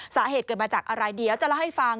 สาเหตุเกิดมาจากอะไรเดี๋ยวจะเล่าให้ฟัง